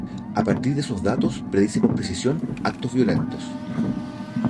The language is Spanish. A partir de esos datos predice con precisión actos violentos.